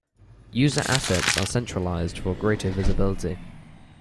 User assets are centralized for greater visibility.